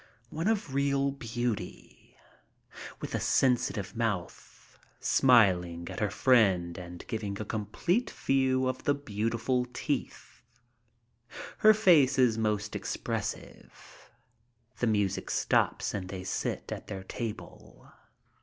One of real beauty, with a sensitive mouth, smiling at her friend and giving a complete view of the beautiful teeth. Her face is most expressive. The music stops and they sit at their table.